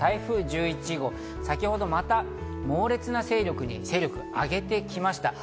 先ほどまた猛烈な勢力に勢力を上げてきました。